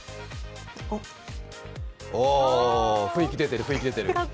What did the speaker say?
ああ、雰囲気出てる、雰囲気出てる。